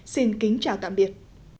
xin kính chào tạm biệt